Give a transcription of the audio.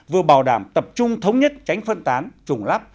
vừa bảo đảm tập trung thống nhất tránh phân tán trùng lắp